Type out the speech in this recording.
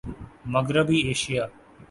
مغربی ایشیا